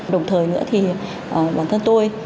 đồng thời nữa thì bản thân tôi